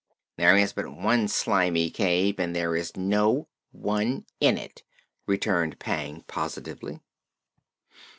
"There is but one Slimy Cave, and there is no one in it," returned Pang positively.